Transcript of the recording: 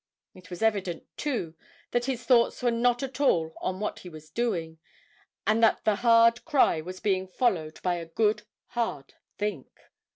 It was evident too that his thoughts were not at all on what he was doing, and that the hard cry was being followed by a good, hard think.